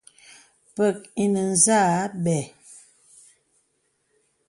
Pə̀k ǐ nə̀ zâ bə̀.